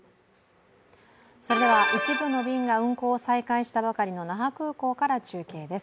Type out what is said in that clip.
一部の便が運航を再開したばかりの那覇空港から中継です。